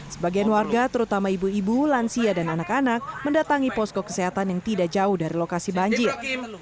sebagian warga terutama ibu ibu lansia dan anak anak mendatangi posko kesehatan yang tidak jauh dari lokasi banjir